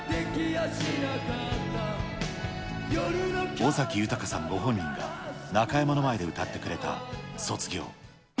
尾崎豊さんご本人が中山の前で歌ってくれた卒業。